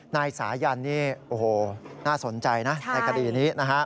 นายสายันนี่โอ้โหน่าสนใจนะในคดีนี้นะฮะ